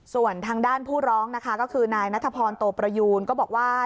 ส่วนทางด้านผู้ร้องนะคะก็คือนายนัทพรโตประยูนก็บอกว่า